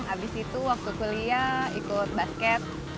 habis itu waktu kuliah ikut basket